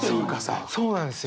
そうなんですよ。